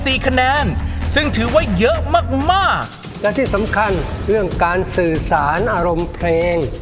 คะแนนซึ่งถือว่าเยอะมากมากและที่สำคัญเรื่องการสื่อสารอารมณ์เพลง